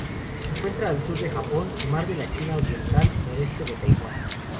Se encuentra al sur del Japón, Mar de la China Oriental noreste de Taiwán.